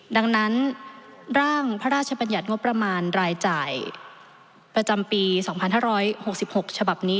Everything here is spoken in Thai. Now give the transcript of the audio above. ดังนั้นร่างพระราชบัญญัติงบประมาณรายจ่ายประจำปี๒๕๖๖ฉบับนี้